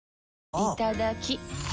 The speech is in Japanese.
いただきっ！